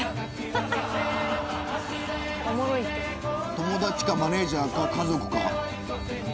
友達かマネジャーか家族か。